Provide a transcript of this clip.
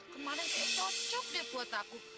kemaren kayak cocok deh buat aku